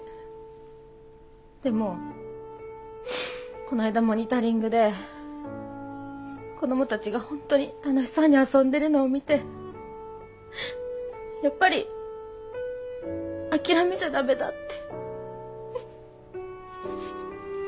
でもこないだモニタリングで子どもたちが本当に楽しそうに遊んでるのを見てやっぱり諦めちゃダメだって。